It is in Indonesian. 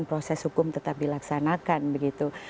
proses hukum tetap dilaksanakan begitu